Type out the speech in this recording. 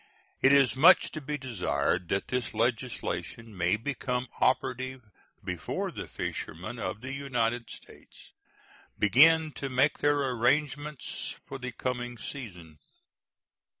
It is much to be desired that this legislation may become operative before the fishermen of the United States begin to make their arrangements for the coming season.